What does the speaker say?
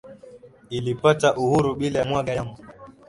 ilipata uhuru bila ya kumwaga damu